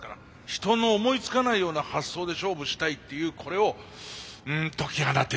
人の思いつかないような発想で勝負したいっていうこれを解き放てるか。